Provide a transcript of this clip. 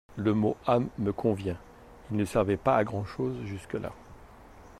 Le mot âme me convient, il ne servait pas à grand-chose jusque-là.